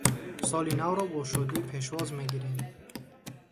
Соли навро бо шодӣ пешвоз мегирем.